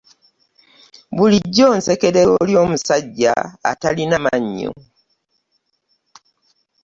Bulijjo osekerera oli omusajja atalina manyo.